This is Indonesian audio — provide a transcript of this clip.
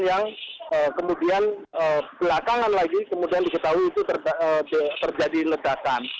yang kemudian belakangan lagi kemudian diketahui itu terjadi ledakan